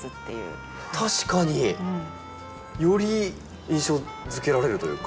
確かに。より印象づけられるというか。